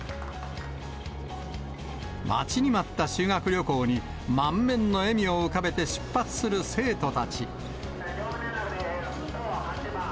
待ちに待った修学旅行に、満面の笑みを浮かべて出発する生徒たち。